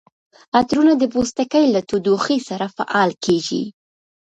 عطرونه د پوستکي له تودوخې سره فعال کیږي.